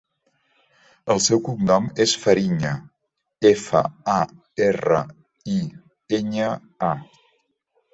El seu cognom és Fariña: efa, a, erra, i, enya, a.